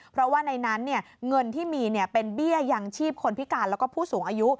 เพราะว่าในนั้นเงินที่มีเป็นเบี้ยยังชีพคนพิการแล้วก็ผู้สูงอายุ